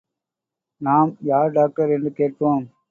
நாம், யார் டாக்டர் என்று கேட்போம்.